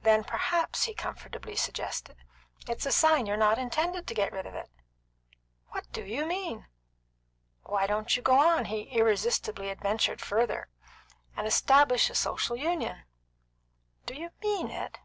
"Then, perhaps," he comfortably suggested, "it's a sign you're not intended to get rid of it." "What do you mean?" "Why don't you go on," he irresponsibly adventured further, "and establish a Social Union?" "Do you mean it?"